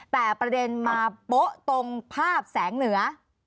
แต่ประเด็นมาโป๊ะตรงภาพแสงเหนือ